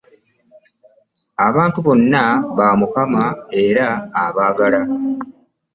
Abantu bonna ba mukama era abaagala.